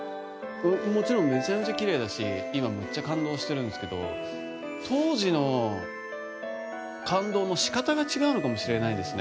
もちろんめちゃめちゃきれいだし今、めっちゃ感動してるんですけど当時の感動の仕方が違うのかもしれないですね。